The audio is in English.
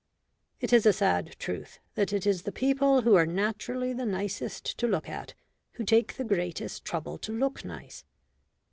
It is a sad truth that it is the people who are naturally the nicest to look at who take the greatest trouble to look nice.